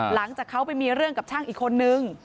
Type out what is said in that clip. หลังจากเขาไปมีเรื่องกับช่างอีกคนนึง